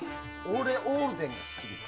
俺、オールデンが好き。